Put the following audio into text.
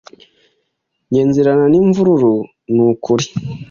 njye nzirana n’imvururu nukuri